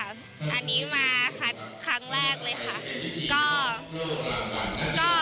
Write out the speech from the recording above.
อันนี้มาคัดครั้งแรกเลยค่ะ